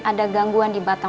ada gangguan di parkiran